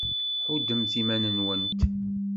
Ḥuddemt iman-went!